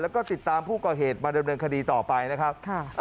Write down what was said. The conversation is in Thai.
แล้วก็ติดตามผู้ก่อเหตุมาดำเนินคดีต่อไปนะครับ